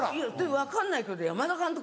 分かんないけど山田監督